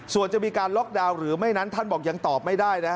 ส่วนจะมีการล็อกดาวน์หรือไม่นั้นท่านบอกยังตอบไม่ได้นะ